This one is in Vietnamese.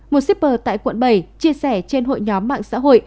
một shipper tại quận bảy chia sẻ trên hội nhóm mạng xã hội